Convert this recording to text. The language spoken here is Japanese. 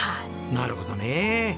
なるほどねえ。